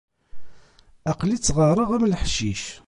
Aql-i ttɣareɣ am leḥcic.